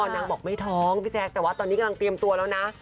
นางบอกไม่ท้องพี่แจ๊คแต่ว่าตอนนี้กำลังเตรียมตัวแล้วนะ